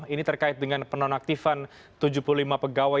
ini terkait dengan penonaktifan tujuh puluh lima pegawai